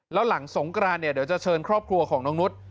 แล้วหลังสงกรานเนี่ยเดี๋ยวจะเชิญครอบครัวของน้องนุษย์